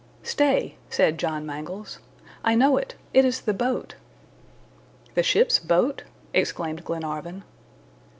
"Stay!" said John Mangles; "I know it! It is the boat." "The ship's boat?" exclaimed Glenarvan.